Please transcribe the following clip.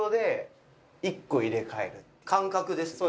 感覚ですね。